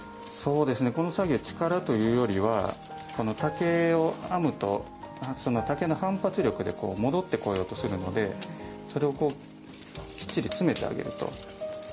この作業力というよりは竹を編むとその竹の反発力で戻ってこようとするのでそれをきっちり詰めてあげると。